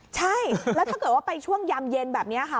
ใช่แล้วถ้าเกิดว่าไปช่วงยามเย็นแบบนี้ค่ะ